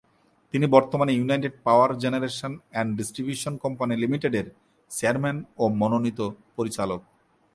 তিনি বর্তমানে United Power Generation and Distribution Company লিমিটেডের চেয়ারম্যান ও মনোনিত পরিচালক।